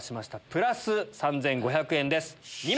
プラス３５００円です。